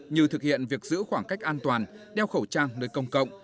như thực hiện việc giữ khoảng cách an toàn đeo khẩu trang nơi công cộng